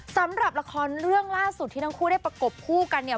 สำหรับละครเรื่องล่าสุดที่ทั้งคู่ได้ประกบคู่กันเนี่ย